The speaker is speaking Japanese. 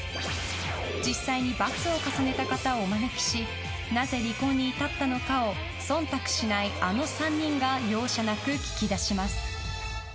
実際にバツを重ねた方をお招きしなぜ離婚に至ったのかを忖度しない、あの３人が容赦なく聞き出します。